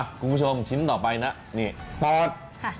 คุณผู้ชมชิ้นต่อไปนะนี่ปอด